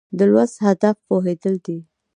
د لوست هدف پوهېدل دي.